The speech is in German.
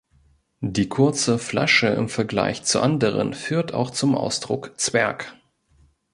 Die kurze Flasche im Vergleich zu anderen führt auch zum Ausdruck „Zwerg“.